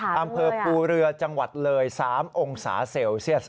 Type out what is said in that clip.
อำเภอภูเรือจังหวัดเลย๓องศาเซลเซียส